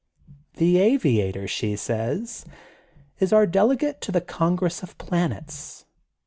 *^ *The Aviator,' she says, *is our delegate to the congress of planets.